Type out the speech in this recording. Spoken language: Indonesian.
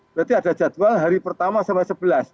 berarti ada jadwal hari pertama sampai sebelas